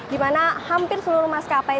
di mana hampir seluruh maskapai